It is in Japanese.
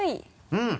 うん。